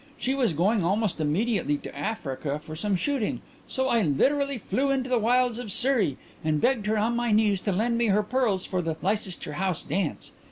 She was going almost immediately to Africa for some shooting, so I literally flew into the wilds of Surrey and begged her on my knees to lend me her pearls for the Lycester House dance.